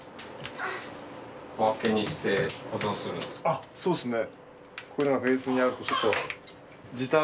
あっそうですね。